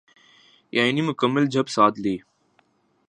یعنی مکمل چپ سادھ لی۔